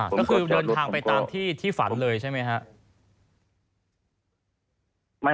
ก็คือเดินทางไปตามที่ที่ฝันเลยใช่ไหมครับ